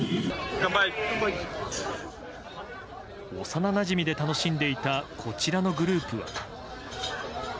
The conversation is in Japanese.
幼なじみで楽しんでいたこちらのグループは。